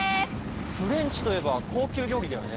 フレンチといえば高級料理だよね。